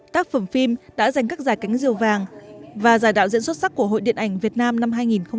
tác phẩm phim đã giành các giải cánh diều vàng và giải đạo diễn xuất sắc của hội điện ảnh việt nam năm hai nghìn một mươi chín